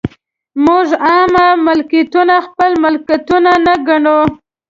موږ عامه ملکیتونه خپل ملکیتونه نه ګڼو.